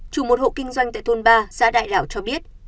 chủ một hộ kinh doanh tại thôn ba xã đại lào cho biết